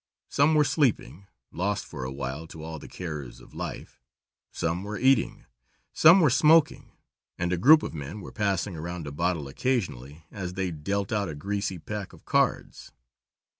Some were sleeping, lost for awhile to all the cares of life; some were eating; some were smoking, and a group of men were passing around a bottle occasionally as they dealt out a greasy pack of cards.